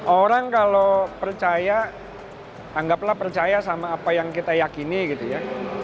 orang kalau percaya anggaplah percaya sama apa yang kita yakini gitu ya